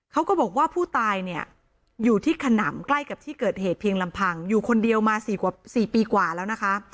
เขาก็บอกว่าผู้ตายเนี่ยอยู่ที่ขนำใกล้กับที่เกิดเหตุเพียงลำพังอยู่คนเดียวมา๔ปีกว่าแล้วนะคะ